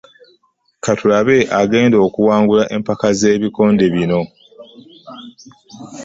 Katulabe agenda okuwangula empaka z'ebikonde zino.